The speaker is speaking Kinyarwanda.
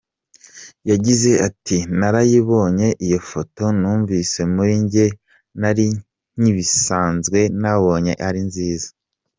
Yagize ati “Narayibonye iyo foto, numvise muri njye ari nk’ibisanzwe, nabonye ari nziza.